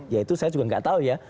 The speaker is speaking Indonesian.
ya itu saya juga nggak tahu ya